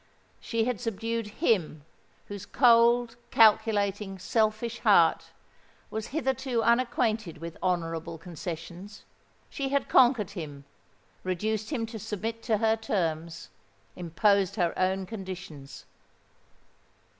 She had subdued him whose cold, calculating, selfish heart was hitherto unacquainted with honourable concessions;—she had conquered him—reduced him to submit to her terms—imposed her own conditions!